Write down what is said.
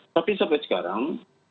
tapi sampai sekarang